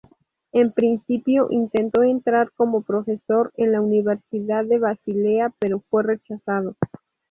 En principio intentó entrar como profesor en la Universidad de Basilea, pero fue rechazado.